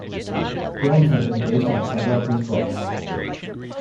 Films have been based on several of his books.